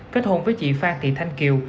kết hôn với chị phan thị thanh kiều